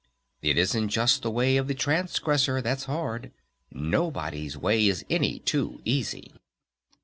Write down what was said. It isn't just the way of the Transgressor that's hard. Nobody's way is any too easy!